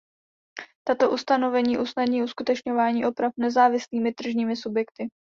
Tato ustanovení usnadní uskutečňování oprav nezávislými tržními subjekty.